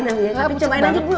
tapi cobain aja dulu